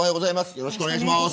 よろしくお願いします。